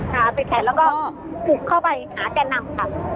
ค่ะปิดแขนแล้วก็กลุ่มเข้าไปอาจารย์นำค่ะ